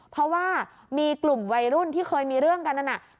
เพราะว่ามีกลุ่มวัยรุ่นที่เคยมีเรื่องกันนั่นน่ะ